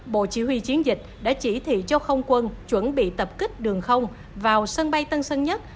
bộ chỉ huy chiến dịch đã chỉ thị cho không quân chuẩn bị tập kích đường không vào sân bay tân sơn nhất